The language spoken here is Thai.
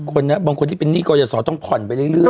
คนเนี้ยบางคนที่เป็นนี่ก็จะสอต้องผ่อนไปเรื่อยเรื่อย